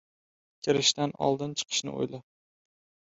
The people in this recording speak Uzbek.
• Kirishdan oldin chiqishni o‘yla.